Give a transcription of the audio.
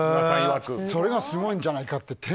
それがすごいんじゃないかと。